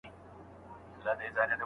که ملایان دي که یې چړیان دي